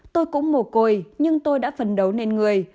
tôi cũng mồ côi nhưng tôi đã phấn đấu nên người